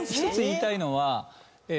１つ言いたいのは。